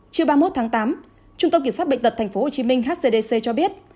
chưa ba mươi một tháng tám trung tâm kiểm soát bệnh tật tp hcm cho biết